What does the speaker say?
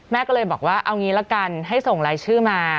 แม่ก็เลยบอกว่าเอางี้ละกันให้ส่งรายชื่อมา